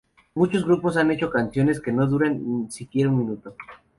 Muchos grupos han hecho canciones que no duran siquiera un minuto.